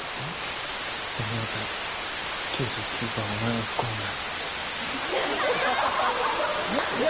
俺に会ったら９９パーお前は不幸になる。